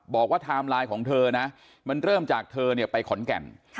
บอกว่าไทม์ไลน์ของเธอนะมันเริ่มจากเธอไปขนแก่น